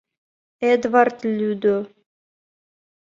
Эдвард лӱдӧ.